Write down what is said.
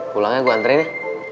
pulangnya gua anterin ya